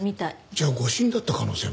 じゃあ誤審だった可能性も。